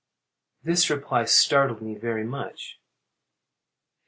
[_This reply startled me very much.